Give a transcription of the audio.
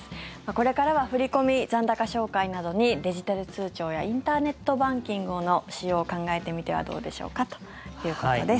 これからは振り込み、残高照会などにデジタル通帳やインターネットバンキングの使用を考えてみてはどうでしょうかということです。